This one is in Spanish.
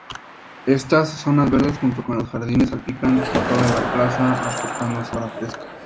Estas zonas verdes, junto con los jardines, salpican toda la plaza, aportando sombra fresca.